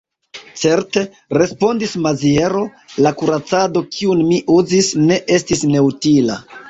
Certe, respondis Maziero, la kuracado, kiun mi uzis, ne estis neutila.